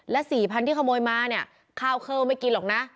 และ๔๐๐ที่ขโมยมาเนี่ยข้าวเข้าไม่กินหรอกนะ